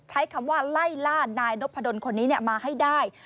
ใช้คำว่าไล่ล่านายนพดลคนนี้มาให้ได้